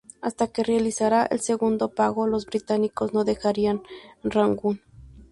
Hasta que se realizara el segundo pago los británicos no dejarían Rangún.